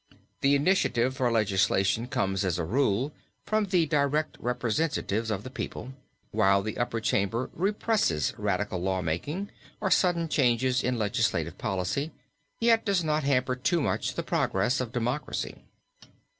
The initiative for legislation comes, as a rule, from the direct representatives of the people, while the upper chamber represses radical law making or sudden changes in legislative policy, yet does not hamper too much the progress of democracy.